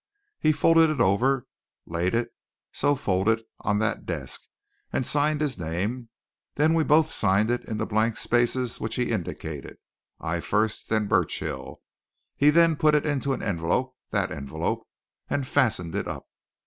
He folded it over, laid it, so folded, on that desk, and signed his name. Then we both signed it in the blank spaces which he indicated: I first, then Burchill. He then put it into an envelope that envelope and fastened it up.